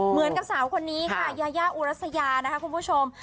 เหมือนกับสาวคนนี้ค่ะยายาอุรัสยานะคะคุณผู้ชม